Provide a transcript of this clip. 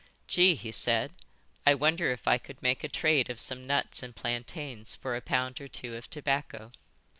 "'Gee,' he said, 'I wonder if I could make a trade of some nuts and plantains for a pound or two of tobacco.'"